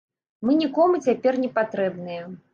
Мы нікому цяпер непатрэбныя.